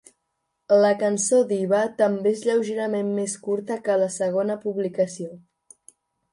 La cançó "Diva" també és lleugerament més curta en la segona publicació.